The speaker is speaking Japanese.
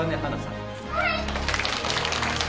はい。